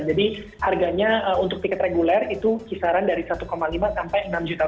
jadi harganya untuk tiket reguler itu kisaran dari rp satu lima sampai rp enam juta